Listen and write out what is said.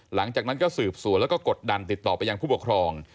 หลังจากนั้นก็สืบสวนแล้วก็กดดันติดต่อไปยังผู้ปกครอง